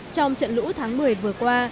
trong trận lũ tháng một mươi vừa qua